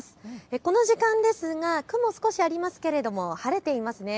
この時間ですが、雲も少しありますが晴れています。